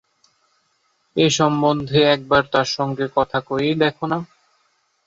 এ সম্বন্ধে একবার তাঁর সঙ্গে কথা কয়েই দেখো-না।